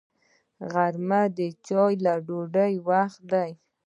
غرمه د چایو او ډوډۍ وخت وي